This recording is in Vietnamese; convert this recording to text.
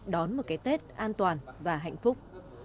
đón một cái tết an toàn và hạnh phúc